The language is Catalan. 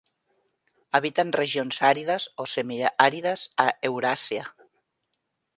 Habiten regions àrides o semiàrides a Euràsia.